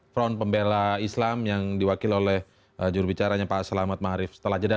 front pembela islam yang diwakil oleh jurubicaranya pak selamat maharif setelah jeda